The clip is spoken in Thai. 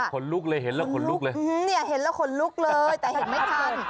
คนลุกเลยเห็นแล้วขนลุกเลยเนี่ยเห็นแล้วขนลุกเลยแต่เห็นไม่ทัน